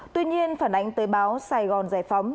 tuy nhiên phản ánh tới báo sài gòn giải phóng